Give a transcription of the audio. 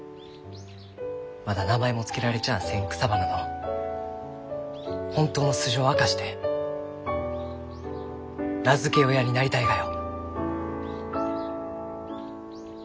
まだ名前も付けられちゃあせん草花の本当の素性を明かして名付け親になりたいがよ。